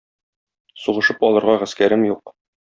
Сугышып алырга гаскәрем юк.